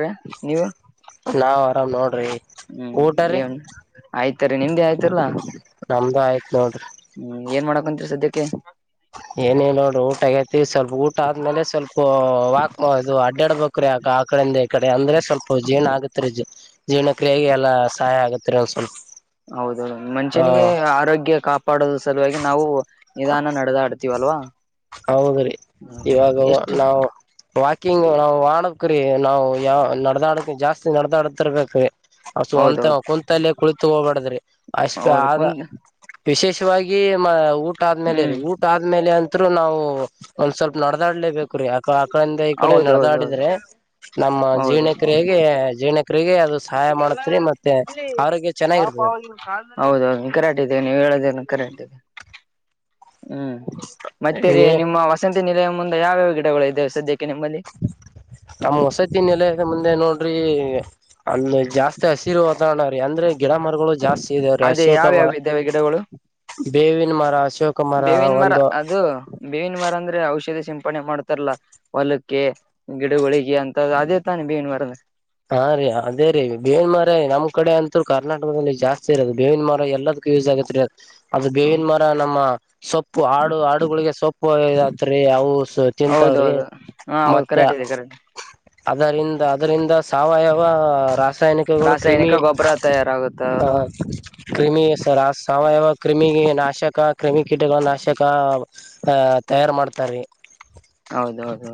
ರ ನೀವು ನಾವ್ ಆರಾಮ್ ನೋಡ್ರಿ ಹ್ಮ್ ಊಟ ರೀ ಏನ್ ಆಯ್ತು. ತ್ತರಿ ನಿಂದು ಆಯ್ತುಲ್ಲಾ. ನಮ್ದು ಆಯ್ತ್ ನೋಡ್ರಿ. ಹ್ಮ್ ಏನ್ ಮಾಡಕೊಂತರಿ ಸದ್ಯಕ್ಕೆ. ಏನು ಇಲ್ಲ ಅದು ಟಯಟ್. ಇ ಸ್ವಲ್ಪ ಊಟ ಆದ್ಮೇಲೆ ಸ್ವಲ್ಪ ವಾಕ್ ಇದು ಅಡ್ಡಾಡ್ಬೇಕು ರೀ ಆ ಕಡೆಯಿಂದ ಈ ಕಡೆ ಅಂದ್ರೆ ಸ್ವಲ್ಪ. ಜೀರ್ಣ ಆಗತ್ರಿ ಜೀರ್ಣ ಕ್ರಿಯೆಗೆ ಎಲ್ಲಾ ಸಹಾಯ ಆಗುತ್ರಿ ಸ್ವಲ್ಪ ಹೌದೌದು ಹ ಮನುಷ್ಯನಿಗೆ ಆರೋಗ್ಯ ಕಾಪಾಡೋದು ಸಲುವಾಗಿ ನಾವು ನಿಧಾನ ನಡೆದಾಡ್ತವಿ. ಹೌದ್ರೀ ಇವಾಗ ಹೌದೌದು ಎಷ್ಟು ನಾವು ವಾಕಿಂಗ್ ನಾವು ಆಡಕ್ರೀ ನಾವವು ಯಾವ ನಡದಾಡಕ ಜಾಸ್ತಿ ನಡದಾಡತಿರ್ಬೇಕ್ರೀ. ಅಷ್ಟಂತ ಹೌದೌದು ಕುಂತಲ್ಲೇ ಕುಳಿತು ಹೋಗ್ಬ್ಯಾಡ್ರಿ ಅಷ್ಟೇ ಹೌದು ಆಗ. ಕುಂತ ವಿಶೇಷವಾಗಿ ಊಟ ಆದ್ಮೇಲೆ ರೀ ಹ್ಮ್ ಊಟ. ಆದ್ಮೇಲೆ ಅತ್ರು ನಾವು ಒಂದ್ ಸ್ವಲ್ಪ ನಡೆದಾಡ್ಲೇಬೇಕು ಯಾಕ ಆಕಡಿಂದ ಈ ಕಡೆ ಹೌದೌದೌದು ನಡೆದಾಡಿದ್ರೆ ನಮ್ಮ ಜೀರ್ಣ ಹೌದು ಕ್ರಿಯೆಗೆ ಜೀರ್ಣ ಕ್ರಿಯೆಗೆ. ಚೆನ್ನಾಗಿರ್ತದೆ ಹೌದೌದು ಮಖರಾಟೇ ನೀವ ಹೇಳೋದು. ಹ್ಮ್ ಮತ್ತೆ ರೀ ನಿಮ್ಮ ವಸಂತ್ ನಿಲಯ ಮುಂದೆ ಯಾವ್ಯಾವ ಗಿಡಗಳು ಇದೇ ಸದ್ಯಕ್ಕೆ. ನಿಮ್ಮಲ್ಲಿ ನಮ್ಮ ಹೊಸತಿ ನಿಲಯದ ಮುಂದೆ ನೋಡ್ರಿ. ಅಲ್ಲಿ ಜಾಸ್ತಿ ಹಸಿರು ವಾತಾವರಣ ರೀ ಅಂದ್ರೆ ಗಿಡ ಮರಗಳು ಜಾಸ್ತಿ ಇದ್ದರೇ ಅಶೋಕ ಮರ. ಗುಳೂ ಬೇವಿನ ಮರ ಅಶೋಕ ಬೇವಿನ ಮರ ಒಂದು ಅದು ಬೇವಿನ ಮರ ಅಂದ್ರೆ ಔಷಧಿ ಸಿಂಪಣೆ ಮಾಡ್ತಾರಲ್ಲಾ ಹೊಲಕ್ಕೆ ಗಿಡಗಳಿಗೆ ಅಂತ ಅದೇ ತಾನೆ ಭೇಣ ಮರ ಹಾ ರೀ ಅದೇ ರೀ ಬೇವಿನ ಮರ ನಮ್ ಕಡೆ ಅಂತರು ಕರ್ನಾಟಕದಲ್ಲಿ ಜಾಸ್ತಿ ಇರೋದು ಬೇವಿನ ಮರ ಎಲ್ಲದಕ್ಕೂ ಯಸ್ ಆಗ ಅ್ರ ಬೇವಿನ ಮರ ನಮ್ಮ ಸೊಪ್ಪ ಹಾಡು ಹಾಡುಗಳಿಗೆ ಸೊಪ್ಪುತ್ರಿ ಅವು ತಿನ್ಂತಾವ್ರಿ ಹೌದೌದು ಹಾ ಹೌದು ಕರಾಟೆ ಇದೆ ಕರಾಟೆ ಅದರಿಂದ ಅದರಿಂದ ಸಾವಯವ ರಾಸಾಯನಿಕಗಳು ಕ್ರಮಿ ರಾಸಾಯನಿಕ ಗೊಬ್ಬರ ತಯಾರಾಗುತ್ತ ಹ ಅಲ್ವಾ ಕ್ರಿಮಿ ಸರ್ ಸಾವಯವ ಕ್ರಿಮಿಗೆ ನಾಶ ನಾಶಕ ಕ್ರಿಮಿ ಕೀಟಗಳ ನಾಶಕ ಅಹ ತಯಾರು ಮಾಡ್ತಾರೀ ಹೌದೌದುದು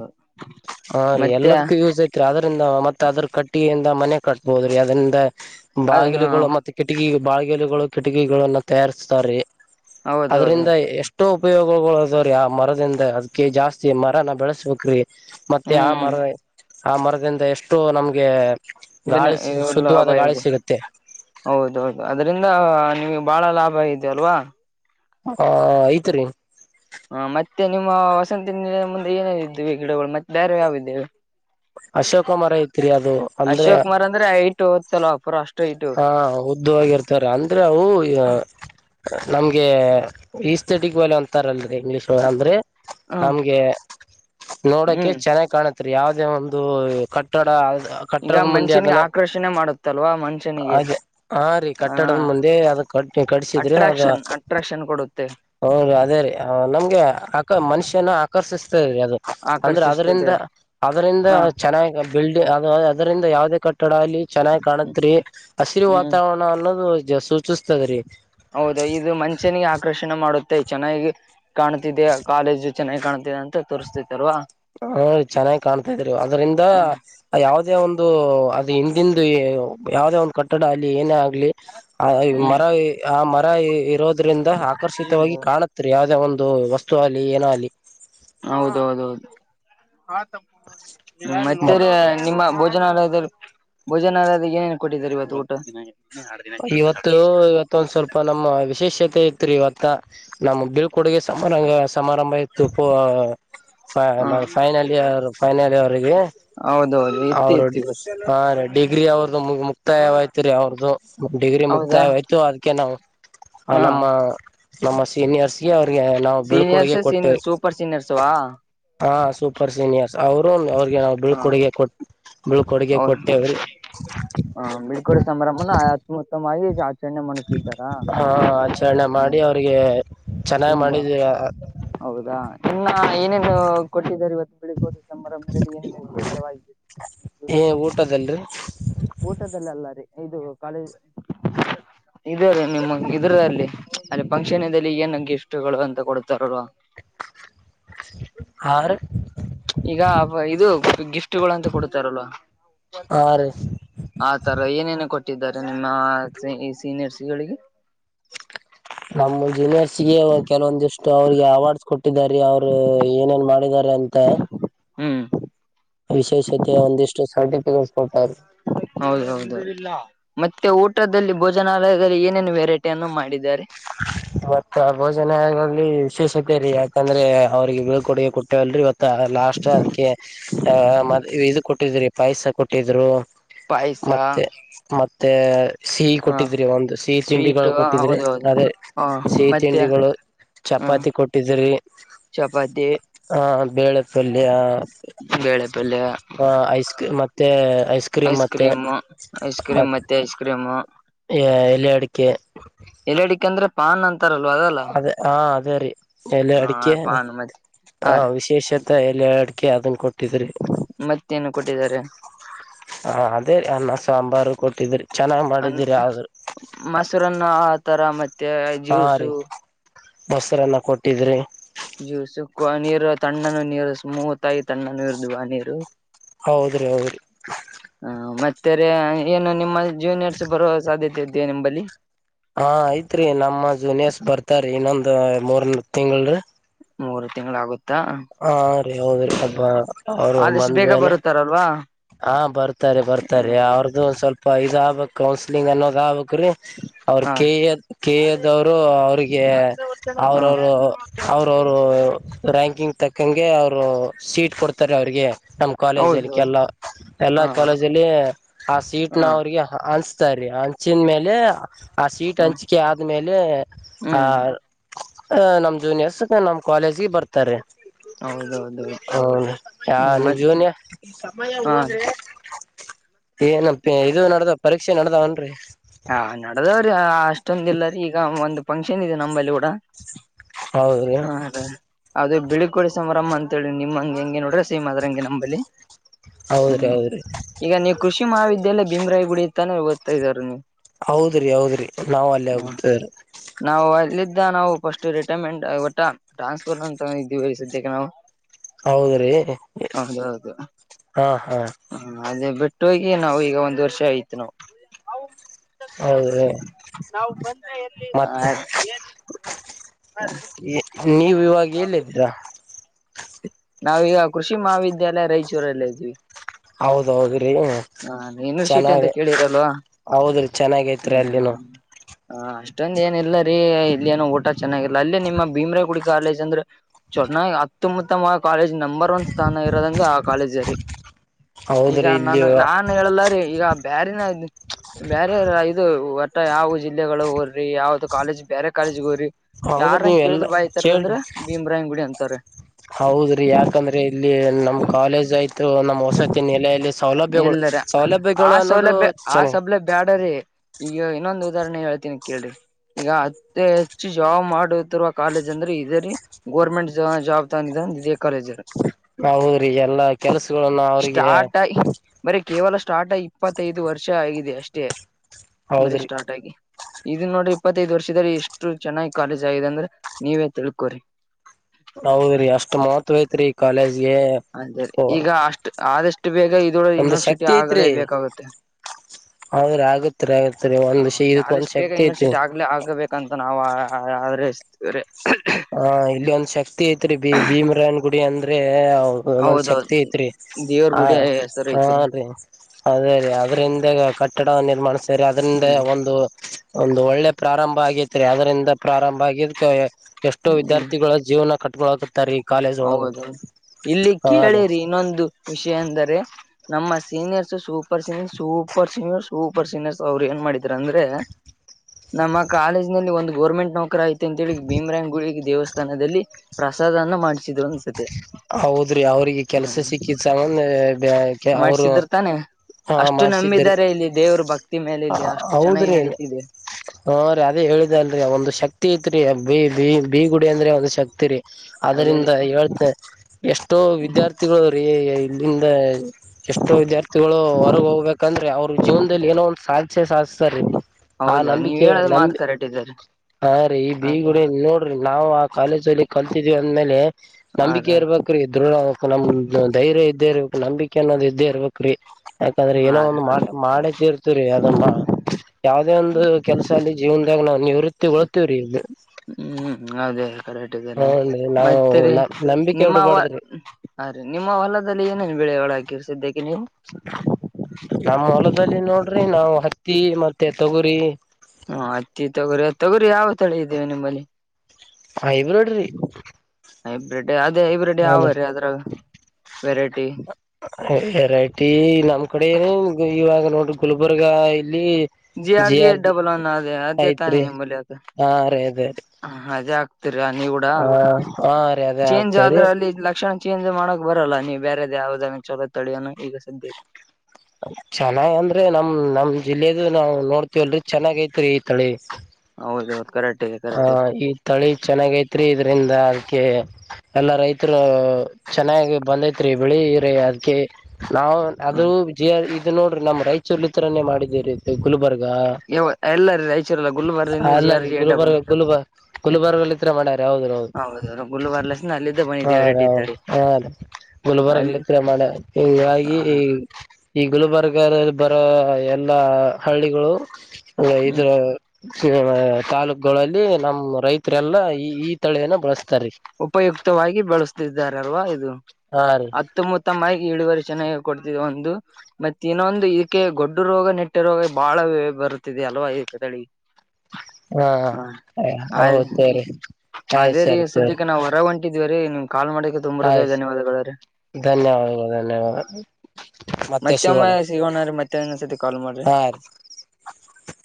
ಹಾ ರೀ ಎಲ್ಲದಕ್ಕೂ ಯೂಸ್ ಐತ್ರಿ ಅದ್ರಂದ ಮತ್ತತ್ ಅದ್ರ ಕಟ್ಟಿಯಿಂದ ಮನೆ ಕಟ್ಬೋದ್ರಿ ಅದ್ರಂದ ಅದ ಹಾ ಬಾಗಿಲುಗಳು ಮತ್ತೆ ಕಿಟಕಿ ಬಾಗಿಲುಗಳು ಕಿಟಕಿಗಳನ್ನ ತಯಾರಿಸ್ತಾರೆ ಹೌದೌದು ಅದ್ರಂದ ಎಷ್ಟೋ ಉಪಯೋಗಗಳುದಾವ್ರೀ ಆ ಮರದಿಂದ ಅದ್ಕ್ಕೆ ಜಾಸ್ತಿ ಮರನ ಬೆಳೆಸ್ಬೇಕ್ರೀ ಮತ್ತೆ ಆ ಹ್ಮ್ ಹ್ಮ್ ಮರ ಆ ಮರದಿಂದ ಎಷ್ಟು ನಮ್ಗೆ ಬೆನೆ ಗಾಳಿ ಇದ ಶುದ್ಧವಾದ ಲಾಭಾಯ ಗಾಳಿ ಇದೆ ಸಿಗುತ್ತೆ ಹೌದೌದು ಅದರಿಂದ ನೀವು ಬಾಳ ಲಾಭ ಇದ ಅಲ್ವಾ ಹಾ ಐ್ತ್ರಿ ಹ ಮತ್ತೆ ನಿಮ್ಮ ವಸಂತ ನೀ ಮುಂದೆ ಏನೇ ಇದ್ದೇವಿ ಗಿಡಗಳು ಮತ್ತೆ ಬೇರೆ ಯಾವಿದ್ದೇವೆ ಅಶೋಕ ಮರ ಐತ್ರಿ ಅದು ಅಂದ್ರೆ ಅಶೋಕ್ ಮರ ಅಂದ್ರೆ ಹೈಟ್ ಓದ್ತಲ್ವಾ ಪೂರ ಅಷ್ಟು ಹೈಟ್ ಹಾ ಉದ್ದವಾಗಿರ್ತಾರ ಅಂದ್ರೆ ಅವು ನಮ್ಗೆ ಈಸ್ಥೆಟಿಕ್ ವಲೆ ಒಂತಾರಲ್ ಇಂಗ್ಲೀಷ್ ಅಂದ್ರೆ ಹ್ಮ್ ನಮ್ಗೆ ನೋಡಕೆ ಹ್ಮ್ ಚೆನ್ನಾಗ್ ಕಾಣತ್ರಿ ಯಾವ್ದೇ ಒ ಅದು ಕಟ್ಟಡ ಈಗ ಕಟ್ಟಡದ ಮುಂದೆ ಮನುಷ್ಯನಿಗೆ ಅದನ್ನ ಆಕರ್ಷಣೆ ಮಾಡುತ್ತಲ್ವಾ ಮನುಷ್ಯನಿಗೆ ಹಾಗೆ ಹಾ ರೀ ಆ ಕಟ್ಟಡದ ಮುಂದೆ ಅದನ್ನ ಕ ಕಡಿಸಿದ್ರೆ ಅದ ಅಟ್ರಾಕ್ಷನ್ ಅಟ್ರಾಕ್ಷನ್ ಕೊಡುತ್ತೆ ಹೌ ರೀ ಅದೇ ರೀ ನಮ್ಗೆ ಆಕ ಮನುಷ್ಯನ ಕ್ತದೆ ಅದು ಅಂದ್ರೆ ಅದರಿಂದ ಆಕರ್ಷಿಸ್ತದೆ ಅದರಿಂದ ಹಾ ಚೆನ್ನಾಗಿ ಬಿಲ್ಡಿ್ ಅ ಅದರಿಂದ ಯಾವುದೇ ಕಟ್ಟಡಲ್ಲಿ ಚೆನ್ನಾಗಿ್ ಕಾಣತ್ರಿ ಹಸಿರು ವಾತಾವರಣ ಜಸ್ ಹೌದ ಇದು ಮಂಚನಿಗೆ ಆಕರ್ಷಣೆ ಮಾಡುತ್ತೆ ಮ ಚೆನ್ನಾಗಿ ಕಾಣ್ತಿದೆ ಕಾಲೇಜು ಚೆನ್ನಾಗಿ ಕಾಣತಿದೆ ಅಂತ ತೋರಿಸ್ತಾರ ಹ್ಮ ಚೆನ್ನಾಗಿ ಕಾಣ್ತಾ ಇದ್ ಅದ್ರಿಂದ ಹ್ಮ್ ಯಾವದೇ ಒಂದು ಅದು ಹಿಂದಿಂದು ಯಾವದೇ ಒಂದು್ ಕಟ್ಟಡ ಆಗಲಿ ಏನೇ ಆಗ್ಲಿ ಹ್ಮ್ ಮರ ಆ ಮರ ಇರೋದ್ರಿಂದ ಆಕರ್ಷಿತವಾಗಿ ಕಾಣತ್ರಿ ಯಾವದೇ ಒಂದು ವಸ್ತು ಆಲಿ ಏನೋ ಅಲಿ ಹೌದೌದೌದು ಮತ್ತ ನಿಮ್ಮ ಭೋಜನಾಲಯ ಭೋಜನ ಅಲ್ಲದ ಏನೇನ್ ಕೊಟ್ಟಿದಿದ್ದಾರೆ ಇವತ್ತು ಊಟ ಇವತ್ತು ಇವತ್ತ ಒಂದ್ ಸ್ವಲ್ಪ ನಮ್ಮ ವಿಶೇಷ ತೆ ಇತ್ರಿ ಇವತ್ತ ನಮ್ಮ್ ಬೀಳ್ಕಡುಗೆ ಸಮಾರಂ ಸಮಾರಂಭ ಇತ್ತು ಪ ಹ ಫೈನಲ್ರು ಫೈನಲ್ ಅವರಿಗೆ ಹೌದೌದು ಇತ್ತು ಅವರು ಇತ್ತು ಇವತ್ತು ಹ ರ ಡಿಗ್ರಿ ಅವ್ರ್ದು ಮು ಮುಕ್ತಾಯವಯ್ತು ರೀ ಅವ್ರ್ದು ಡಿಗ್ರಿ ಹೌದಾ ಮುಕ್ತಾಯವಯ್ತು ಅದಕ್ಕೆ ನಾವು ಹ ಹಾ ನಮ್ಮ ನಮ್ಮ ಸೀನಿಯರ್ಸ್ಗೆ ಅವರು ನಾವು ಸೀನಿಯರ್ಸ್ ಬೆಳ್ಕೊಡುಗೆ ಕೊಟ್ಟೇವೆ ಸೀನಿಯರ್ ಸೂಪರ್ ಸೀನಿಯರ್ಸ್ವಾ ಹ ಸೂಪರ್ ಸೀನಿಯರ್ ಅವರು ಅವ್ರಿಗೆ ಹ ನಾವುಳಕ್ಕಡುಗೆ ಕೊಟ್ಟ ಬೀಳ್ಕೊಡುಗೆ ಹೌದು ಕೊಟ್ಟೇವ್ರಿ ಹ ಬಿಳ್ಕೋಡೆ ಸಂಭ್ರಂಭನ ಅತ್ಯಮತ್ತಮವಾಗಿ ಚೆಣ ಮನಸು ಇದ್ದಾರಾ ಹಾ ಆಚರಣೆ ಹ್ಮ್ ಮಾಡಿ ಅವ್ರಿಗೆ ಚೆನ್ನಾಗ್ ತುಂಬಾ ಮಾಡಿದ್ವಿ ಹೌದಾ ಇನ್ನ ಏನೇನು ಕೊಟ್ಟಿದ್ದಾರೆ ಇವತ್ತು ಬಿಳಿಗೋಡಿ ್ರಮದಲ್ಲಿ ಏನಚೇವ ಏ ಊಟದಲ್ರರಿ ಊಟದಲ್ಲೆಲ್ಲ ರೀ ಇದು ಕಾಲೇಜ್ [inaudible] ಇದ ನಿಮ ಇದ್ರಲ್ಲಿ ಅಲ್ಲಿ ಫಂಕ್ಷನ್ದಲ್ಲಿ ಏನು ಗಿಫ್ಟ ಗಳು ಅಂತ ಕೊಡ್ತಾರಲ್ವಾ ಆ ಈಗ ಇದು ಗಿಫ್ಟಗಳುಂತ ಕೊಡ್ತಾರಲ್ವಾ ಹಾ ರೀ ಆ ತರ ಏನೇನ ಕೊಟ್ಟ ಇಟ್ಟಿದ್ದಾರೆ ನಿಮ್ಮ ಸೀನಿಯರ್ ಸಿಗಳಿಗೆ ನಮ್ಮ ಜೂನಿವರ್ಸಿಗೆ ಕೆಲವೊಂದಿಷ್ಟು ಅವ್ರಿಗೆ ಅವಾರ್ಡ್ಸ್ ಕೊಟ್ಟ ಇಟ್ಟಿದಾರಿ ಅವರು ಏನೇನ್ ಮಾಡಿದಿದ್ದಾರೆ ಅಂತ ಹ್ಮ್ ವಿಶೇಷತೆೆಯ ಒಂದಿಷ್ಟು ಸರ್ಟಿಫಿಕೇಟ್ ಕೊಡ್ತರು ಹೌದೌದು ಮತ್ತೆ ಊಟದಲ್ಲಿ ಭೋಜನಾಲಯದಲ್ಲಿ ಏನೇನು ವೆರೈಟಿ ಅನ್ನು ಮಾಡಿದ್ದಾರೆ ಮವತ್ತ ಭೋಜನ ಆಗಾಗ್ಲಿ ವಿಶೇಷುತ್ತೇ ರೀ ಯಾಕಂದ್ರೆ ಅವ್ರಿಗೆ ಬೀಳ ಕೊಡುಗೆ ಕೊಟ್ಟೇವಲ್ರಿ ಇವತ್ತು ಲಾಸ್ಟ್ ಅದಕ್ಕೆ ಇ ಕೊಟ್ಟಿದ್ರಿ ಪೈಸ ಕೊಟ್ಟಿದ್ರು ಪಾಯಸ ಮತ್ತೆ ಮತ್ತೆ ಸಿಹಿ ಹ ಕೊಟ್ಟಿದ್ರಿ ಒಂದು ಸಿಹಿ ತಿಂಡಿಗಳು ಸ್ವೀಟು ಕೊಟ್ಟಿದ್ರಿ ಹೌದೌದು ಅದೇ ಹ ಸಿಹಿ ಮತ್ತೆ ತಿಂಡಿಗಳು ಹ ಚಪಾತಿ ಕೊಟ್ಟಿದ್ರಿ ಚಪಾತಿ ಹ ಕಲ್ಲಿಯ ಬಳೆಪಲ್ಲ ಮತ್ತೆ ಕ್ರೀಮ್ ಐಸ್ ಮತ್ತೆ ಕ್ರೀಮು ಐಸ್ ಕ್ರೀಮ್ ಮತ್ತೆ ಐಸ್ ಕ್ರೀಮು ಎಲ್ಲಿಾಡಕ್ಕೆ ಎಲ್ಲಡಿಕ ಅಂದ್ರೆ ಪಾನ್ ಅಂತಾರಲ್ವ ಅದಲ್ಲ ಅದೇ ರೀ ಎಲೆ ಹ ಅಡಿಕೆ ಪಾನ್ ಮತ್ತೆ ಹ ಹಾ ರೀ ವಿಶೇಷತ ಎಲೆ ಅಡಿಕೆ ಅದನ್ ಕೊಟ್ಟ ಕೊಟ್ಟಿದ್ರಿ ಮತ್ತೇನು ಕೊಟ್ಟಿದ್ದಾರೆ ಹ ಅದೇ ಅನ್ನ ಸಾಂಬಾರು ಕೊಟ್ಟಿದ್ರಿ ಚೆನ್ನಾಗ್ ಅ ಮಾಡಿದಿರಿ ಆದ್ರ ಮೊಸರನ್ನ ಆ ತರ ಮತ್ತೆ ಜ್ಯೂಸು ಬಸರನ್ನ ಕೊಟ್ಟಿದ್ರೆ ಜ್ಯೂಸ್ ಕ ನೀರು ತಣ್ಣನು ನೀರು ಸ್ಮೂತ್ ಆಗಿ ತಣ್ಣನು ಇರ್ದುವ ನೀರು ಹೌದ್ರಿ ಹೌದ್ರಿ ತ್ತೇರೆ ಏನು ನಿಮ್ಮ ಜೂನಿಯರ್ಸ್ ಬರುವ ಸಾಧ್ಯತೆ ಇದೆಯಾ ನಿಂಬಲ್ಲಿ ಹಾ ಐ್ತ್ರಿ ನಮ್ಮ ಜೂನಿಯರ್ಸ್ ಬರ್ತಾರೀ ಇನ್ನೊಂದ ಮೂರ್ ತಿಂಗಳರಿೀ ಮೂರು ತಿಂಳ ಆಗುತ್ತೆ ಹಾ ರೀ ಹೌದ್ರಿ ಹಬ್ಬಾ ಅವರು ಆದಷ್ಟು ಬಂದ ಬೇಗ ಮೇಲೆ ಬರುತ್ತಾರಲ್ವಾ ಹಾ ಬರ್ತಾರೆ ಹ್ಮ್ ಬರ್ತಾರೆ ಬರುತ್ತೆ ಅವ್ರದದುು ಒ ಸ್ವಲ್ಪ ಇದು ಆಗ್ಬೇಕಕ್ ಕೌನ್ಸಿಲಿಂಗ್ ಅನ್ನೋದ ಆಗ್ಕ್ು ್ರಿ ಅವ್ರ ಹಾ ಕ ಕಯದವರು ಅವ್ರಿಗೆ ಹಾ ಅವ್ರವರು ಅವ್ರ ಅವರು ರ್ಯಾಂಕಿಂಗ್ ತಕ್ಕಂಗೆ ಅವರು ಸೀಟ್ ಕೊಡ್ತಾರೆ ಅವ್ರಿಗೆ ನಮ್ಮ್ ಕಾಲೇಜ ಹೌದು ಹೌದು ಅಲ್ಲಿಕ್ಕೆಲ್ಲ ಎಲ್ಲಾ ಹಾ ಕಾಲೇಜಲ್ಲಿ ಆ ಸೀಟ್ ನ ಹಾ ಅವ್ರಿಗೆ ಅನ್ಸ್ತೀ ಅನ್ ಹಚ್ಚಿದ ಮೇಲೆ ಆ ಸೀಟ್ ಹಾ ಹಂಚಿಕೆ ಆದ್ಮೇಲೆ ಆ ಹ್ಮ್ ಅಹ ನಮ್ಮ್ ಜೂನಿಯರ್ಸ್ ನಮ್ ಕಾಲೇಜ್ಗೆ ಬರ್ತಾರೆ ಹೌದೌದೌದು ಹಾ ಹ್ಮ್ ನಿಮ್ ಮತ್ತೆ ಜೀವನ್ಯ ಹಾ ಪರೀಕ್ಷೆ ನಡ್ದಾವನ್ರಿ ಹಾ ನದವಷ್ಟ ಅಷ್ಟೊಂದ ಇಿಲ್ಲರಿೀ ಈಗ ಒಂದು್ ಫಂಕ್ಷನ್ ಇದೆ ನಂಬಲ್ಲಿ ಕೂಡ ಹೌದ್ರಿ ಹಾದ ಅದೇ ಬೆಳಿಗ್ ಕೊಡಿಿ ಸಂಭ್ರಮ ಅಂತೇಳಿ ನಿಮ್ಮಂಗೆಂ ನೋಡ್ರೆ ಸೇಮ್ ಆದ್ರ ಹಂಗೆ ನಂಬಲ್ಲಿ ಹೌದ್ರಿ ಹ್ಮ್ ಹೌದ್ರಿ ಈಗ ನೀವು ಆ ವಿದ್ಯಲ್ಲ ಭೀಮ್ರಾಯ ಗುಡಿ ಇತ್ತಾನ ಓದ್ಾ ಇದ್ದಾರೆ ನೀವು ಹೌದ್ರಿ ಹೌದ್ರಿ ನಾವ್ ಅಲ್ಲ ಆಗುತ್ತಾರೆ ನಾವು ಅಲ್ಲಿದ್ದ ನಾವು ಫಸ್ಟ್ ರಿಟೈರ್ಮೆಂಟ್ ಒಟ್ಟ ಟ್ರಾಸ್ಫರ್ ಅಂತ ಇದೀವಿ ಸದ್ಯಕ್ಕೆ ನಾವು ಹೌದ್ರಿ ಹೌದ ಹೌದು ಹಾ ಹಾ ಹ ಅದೇ ಬಿಟ್ಟ ಹಟ್ಟ ಹೋಗಿ ನಾವು ಈಗ ಒಂದ್ ವರ್ಷ ಆಯತು ನಾವು ಹೌದ್ರಿ ನಾವು ಬಂದ್ರ ಎಲ್ಲಿ ಮತ್ತ ಹಾ ನೀವು ಇವಾಗ ಎಲ್ಲಿದ್ದೀರಾ ನಾವೀಗ ಕೃಷಿ ಮಹಾವಿದ್ಯಾಲಯ ರಾಯಚೂರಲ್ಲ ಇದ್ವಿ ಹೌದ ಹೌದ್ರಿ ಹ ಇನ್ರ್ ಶೀಟಿ ಚೆನ್ನಾಗ ಅಂತ ಕೇಳಿರಲ್ವಾ ಹೌದ್ರಿ ಚೆನ್ನಾಗ ತ್ರಿ ಹ್ಮ್ ಅಲ್ಲಿನು ಹ್ಮ್ ಹ ಅಷ್ಟೊಂದ ಏನ ಇಿಲ್ಲ ರೀ ಇಲ್ಲಿ ಏನೋ ಊಟ ಚೆನ್ನಾಗಿಲ್ಲ ಅಲ್ಲಿ ನಿಮ್ಮ ಭೀಮ್ರ ಗುಡಿ ಕಾಲೇಜ್ ಅಂದ್ರೆ ಅತ್ಯಮುತ್ತಮ ಕಾಲೇಜ್ ನಂಬರ್ ಒನ್ ಸ್ಥಾನ ಇರೋದಂ ಆ ಕಾಲೇಜೀ ಈಗ ಹೌದ್ರಿ ಇಲ್ಲಿ ನಾನು ನಾನ್ ಹೇಳಲ್ಲಾರಿೀ ಈಗ ಬ್ಯಾರಿನ ಇದ ಬೇರೆ ಇದು ಹೊಟ್ಟ ಯಾವ ಜಿಲ್ಲೆಗಳು ಹೋರ್ರಿ ಯಾವ್ದ ಕಾಲೇಜ್ ಬೇರೆ ಕಾಲೇಜಗ ಹೋ್ರಿ ಹೌದ್ರಿ ನೀವ್ ಯಾರ್ಂಗ ಎಲ್ಲ ಕೇಳಿದ್ರು ಬಾಯತಾರದ ಕೇಳ್ರಿ ಅಂದ್ರ ಭೀಮ್ರಾಾಯಿ್ ಗುಡಿ ಅಂತಾರ ಹೌದ್ರಿ ಯಾಕಂದ್ರೆ ಇಲ್ಲಿ ನಮ್ ಕಾಲೇಜ್ ಆಯ್ತು ನಮ್ ವಸತಿ ನೆಲೆಯಲ್ಲಿ ಸೌಲಭ್ಯಗಳು ಎಲ್ಲರ ಆ ಸೌಲಭ್ಯಗಳು ಅನ್ನೋದು ಸೌಲಭ್ಯ ಆ ಚೆನ್ನಾಗಿ ಸೌಲಭ್ಯ ಬ್ಯಾಡ್ರೀ ಈಗ ಇನ್ನೊಂದು ಉದಹರಣೆ ಹೇಳ್ತೀನಿ ಕೇಳ್ರಿ ಈಗ ಅತ್ತ ಹೆಚ್ಚು ಜಾಬ್ ಮಾಡುತ್ತಿರುವ ಕಾಲೇಜ್ ಅಂದ್ರೆ ಇದ ರೀ ಗೋರ್ಮೆಂಟ್ ಜಾಬ್ ಇದೇ ಕಾಲೇಜರ್ ಹೌದ್ರಿ ಎಲ್ಲಾ ಕೆಲ್ಸಗಳನ್ನ ಅವ್ರಿಗೆ ಸ್ಟಾರ್ಟ್ ಆಗಿ ಬರೀ ಕೇವಲ ಸ್ಟಾರ್ಟ್ ಆಗ ಇಪ್ಪತ್ತೈದು ವರ್ಷ ಆಗಿದೆ ಅಷ್ಟೇ ಬರೀ ಹೌದ್ರಿ ಸ್ಟಾರ್ಟ್ ಆಗಿ ಇದನ್ ನೋಡ್ರಿ ಇಪ್ಪತ್ತೈದ್ ವರ್ಷದಲ್ಲಿ ಎಷ್ಟು ಚೆನ್ನಾಗಿ ಕಾಲೇಜ್ ಆಗಿದೆ ಅಂದ್ರೆ ನೀವೇ ತಿಳ್ಕೋ್ರಿ ಹೌದ್ರಿ ಅಷ್ಟ್ ಮಹತ್ವ ಐತ್ರಿ ಕಾಲೇಜ್ಗೆ ಅದ ಓ ಈಗ ಅಷ್ಟು ಆದಷ್ಟು ಬೇಗ ಇದೊಳ ಒಂದ್ ಯೂನಿವರ್ಸಿಟಿ ಶಕ್ತಿ ಆಗಲೇ ಐತ್ರಿ ಬೇಕಾಗುತ್ತೆ ಹೌದ್ರಿ ಆಗತ್ರಿ ಆಗತ್ರಿ ಒಂದ್ ಹೌದು ಇದಕ್ ಒಂದ್ ಅಷ್ಟು ಬೇಗ ಶಕ್ತಿ ಐತಿ ಯನಿವರ್ಸಿಟಿ ಆಗ್ಲ ಆಗ್ಬೇಕಂತ ನಾವು ಹ ಯ್ರೆ ಇಷ್ಟತ್ರೀ ಹ ಇಲ್ಲಿ ಒಂದ್ ಶಕ್ತಿ ಐತ್ರಿ ಬಿ ಭೀಮ ರನ್ ಗುಡಿ ಅಂದ್ರೆ ಒಂದೊಂದು ಹೌದೌದು ಶಕ್ತಿ ಐತ್ರಿ ದೇವ್ರ ಆ ಗುಡಿ ಹೆಸರು ಹರಿ ಐತ್ರಿ ಅದೇ ಅದೇ ಅದ್ರ ಹಿಂದಾಗ ಕಟ್ಟಡ ನಿರ್ಮಾಣ್ತೇರಿ ಅದರಿಂದ ಒಂದು ಒಂದು ಒಳ್ಳೆ ಪ್ರಾರಂಭ ಆಗಿ ಅದರಿಂದ ಪ್ರಾರಂಭ ಆಗ ಎಷ್ಟೋ ವಿದ್ಯಾರ್ಥಿಗಳ ಜೀವನ ಕಟ್ಕಳಾರೆ ಹೌದೌದು ಇಲ್ಲಿ ರೀ ಕೇಳಿರಿ ಇನ್ನೊಂದು ವಿಷಯ ಅಂದರೆ ನಮ್ಮ seniors super senior super senior super seniors ಅವ್ರು ಏನ್ ಮಾಡಿದಾರ ಅಂದ್ರೆ ನಮ್ಮ ಕಾಲೇಜ್ ನಲ್ಲಿ ಒಂದು ಗೌರ್ಮೆಂಟ್ ನೌಕರಿ ಆಯ್ತು ಮ ಅಂತೇಳಿ ಭೀಮರಂಗುಳ ದೇವಸ್ಥಾನದಲ್ಲಿ ಪ್ರಸಾದನ್ನ ಮಾಡ್ಸಿದ್ರು ಒಂದ್ಸತೆ ಹೌದ್ರಿ ಅವ್ರಿಗೆ ಕೆಲ್ಸ ಸಿಕ್ಕಿತ್ ಮಂದೆ ಅವರು ಮಾಡ್ಸಿದ್ರ ತಾನೆ ಹಾ ಅಷ್ಟು ಮಾಡ್ಸಿದ್ರಿ ನಂಬಿದಿದ್ದಾರೆ ಇಲ್ಲಿ ದೇವ್ರು ಭಕ್ತ ಹೌದ್ರಿ ಹಾ ರೀ ಅದೇ ಹೇಳಿದೆ ಅಲ್ರರಿ ಒಂದು ಶಕ್ತಿ ಐತ್ರಿ ಬಿ ಬಿ ಬಿ ಗುಡಿ ಅಂದ್ರೆ ಒಂದ್ ಶಕ್ತಿ ರರಿ ಅದೇ ರೀ ಅದರಿಂದ ಹೇಳ್ತೇ ಎಷ್ಟೋ ವಿದ್ಯಾರ್ಥಿಗಳುೀ ಇಲ್ಲಿಂದ ಎಷ್ಟೋ ವಿದ್ಯಾರ್ಥಿಗಳು ಹೊರಗೆ ಹೋಗ್ಬೇಕಂದ್ರೆ ಅವ್ರ ಜೀವನದಲ್ಲಿ ಏನೋ ಸಾಧಸೇ ಸಾಧತಾರೀ ಆ ಹೌದಾ ನೀವ್ ನಂಬಿಕೆ ಹೇಳದ್ ಮಾತ್ ನಂಬಿ ಕರೆಕ್ಟ್ ಇದ್ದಾರೆ ಹಾ ರೀ ಈ ಬೀಗುಡ ನೋಡ್ರಿ ನಾವು ಆ ಕಾಲೇಜಲ್ಲಿ ಕಲ್ತಿದೀವಿ ಅಂದ್ಮೇಲೆ ಅದ ನಂಬಿಕೆ ಇರ್ಬೇಕ್ರೀ ದೃಢ ನಮ ಧೈರ್ಯ ಇದ್ದೇ ನಂಬಿಕೆ ಅನ್ನೋದ ಇದ್ದೇ ಇರ್ಬೇಕ್ರಿ ಯಾಕಂದ್ರೆ ಏನೋ ಹ ಹ ಒಂದು ಮಾಡ ಮಾಡೇತಿೀರ್ ಅದಮ್ಮ ಯಾವದೇ ಒಂದು ಕೆಲ್ಸಲ್ಲಿ ಜೀವನದಾಗ ನಾವು ನಿವೃತ್ತಿ ಉಳ್ತೀವ್ರಿ ಹ್ಮ್್ಮ್ ಅದೇ ಅೇ ನಾವು ಮತ್ತ ನಂಬಿಕೆ ನಿಮ್ಮ ಬಿಡ್ಬಾರ್ದ್ರಿ ಅ ನಿಮ್ಮ ಹೊಲದಲ್ಲಿ ಏನೇನ್ ಒಳ ಹಗಿಿದ್ದಕ್ಕೆ ನಮ್ಮ ಹೊಲದಲ್ಲಿ ನೋಡ್ರಿ ನಾವು ಹತ್ತಿ ಮತ್ತೆ ತೊಗರಿ ಹಾ ಅತ್ತಿ ತಗರಿ ಅ ತೊಗೋರಿ ಯಾವ ತಳಿ ಇದ್ದೇವೆ ನಿಂಬಲ್ಲಿ ಎಂಬ್ರೋಡರಿ ಹೈಬ್ರೆಡ್ ಅದೇ ಹೈಬ್ರೆಡ್ ಯಾವ ರೀ ಅದ್ರಾಗ ವೆರೈಟಿ ವೆರೈಟಿ ನಮ್ ಕಡೆ ಏನ ಇವಾಗ ನೋಡ್ರಿ ಗುಲ್ಬರ್ಗ ಇ ಇಲ್ಲಿ G R G A double one ಅದೆ ಅದೇ ತಾನೇ ಐತ್ರಿ ನಿಂಬಲಕ ಹಾ ರೀ ಅದೇ ರೀ ಹ ಅದೇ ಆಗ್ತೀರಾ ನೀವುಡಾ ಹ ಹಾ ರೀ ಅದೇ ಚೇಂಜ್ ಆಗ್ತವ್ರೀ ಆದ್ರ ಅಲ್ಲಿ ಲಕ್ಷಣ ಚೇಂಜ್ ಮಾಡಕಕ್ ಬರಲ್ಲ ನೀವು ಬೇರೆ್ದ ಯಾವ್ದ ಚಲೋ ತಳಿಯ ಅನ ಈಗ ಸದ ಚೆನ್ನಾಗ ಅಂದ್ರೆ ನಮ್ ನಮ್ ಜಿಲ್ಲೆದು ನಾವವು ನೋಡ್ತವಲ್ರಿ ಚೆನ್ನಾಗ ಐತ್ರಿ ಈ ತಳಿ ಹೌದುೌದು ಕರೆಕ್ಟ್ ಇದೆ ಹ ಕರೆಕ್ಟ್ ಇದೆ ಈ ತಳಿ ಚೆನ್ನಾಗ ಐತ್ರಿ ಇದ್ರಿಂದ ಅದ್ಕ್ಕೆ ಎಲ್ಲಾ ರೈತರು ಚೆನ್ನಾಗಿ ಬಂದೈತ್ರಿ ಬಿಳಿ ಅದ್ಕ ನಾವು ಅದು ಹ್ಮ್ ಜ ನೋಡ್ರ ನ್ ರೈಚರು ಇ ತರನೇ ಮಾಡಿದ್ದ ರೀ ಗುಲ್ಬರ್ಗ ಎಲ್ಲಐಚರಲ್ಲ ಗುಲ್ಬರ್ಂದ ಜಿಾರ್ ಜ ಗುರುಬಾರ ಗುರುಬ ಕುಲಬರ್ಗಳತ್ರ ಮಾಡ್ಯಾರೆ ಹೌದು ಹೌದು ಗುಲ್ಬರ್ಲೆಸ್ನ ಅಲ್ಲಿದ್ದೇ ಬಂದಿದೆ ವೆರೈಟಿ ಹಾೌ ತಳಿ ಹಾ ಗುಲ್ಬರ್ಗ ಅಲ್ಲಿ ಕಮೆ ಹೀಗಾಗಿ ಈ ಈ ಗುಲ್ಬರ್ಗ ಈಗ ಬರೋ ಎಲ್ಲಾ ಹಳ್ಳಿಗಳು ಅ ಹ್ಮ್ ಇದರ ತಾಲೂಕು ಗಳಲ್ಲಿ ನಮ್ ರೈತರೆಲ್ಲಾ ಈ ಈ ತಳಿಯನ ಬಳಸ್ತಾರಿ ಉಪಯುಕ್ತವಾಗಿ ಬಳಸತಿದ್ದಾರೆಲ್ವಾ ಇದು ಹಾ ರೀ ಹತ್ತಂಬ ತಮ್ಮ ಇಳುವ ಕೊಡ್ತಿದೆ ಒಂದು ಮತ್ತ ಇನ್ನೊಂದು ಇದಕ್ಕೆ ಗೊಡ್ಡ ರೋಗ ನೆಟ್ಟ ರೋಗ ಬಹಳ ಬರುತ್ತಿದೆ ಇ ಅಲವ ಇ ತಳಿ ಹ ಹಾ ಹೌ ಅದೇ ಸರಿ ಆಯ್ ಅದೇ ರೀ ಸರಿ ತರಿ ಸದ್ಯಕ್ಕೆ ನಾವ್ ಹೊರ ಹೊಂಟಿದ್ವಿ ರೀ ನಿಮ್ ಕಾಲ್ ಮಾಡೋಕ್ಕೆ ತುಂಬ ಹದಯ ಧನ್ಯವಾದಗಳು ರೀ ಧನ್ಯವಾದಗಳು ಧನ್ಯವಾದ ಮತ್ತೆ ಮತ್ತೊಮ್ಮೆ ಶಗೋಣ ಸಿಗೋಣ ರೀ ಮತ್ತೆ ಇನ್ನೊಂದ್ಸತಿ ಕಾಲ್ ಮಾಡ್ರಿ. ಹಾ ಸ